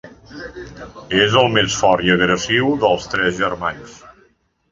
És el més fort i agressiu dels tres germans.